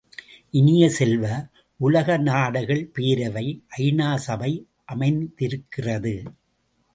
இனிய செல்வ, உலக நாடுகள் பேரவை ஐ.நா. சபை அமைந்திருக்கிறது.